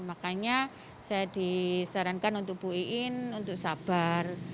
makanya saya disarankan untuk buin untuk sabar